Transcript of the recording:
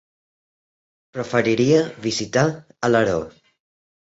Preferiria visitar Alaró.